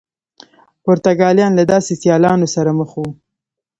پرتګالیان له داسې سیالانو سره مخ وو.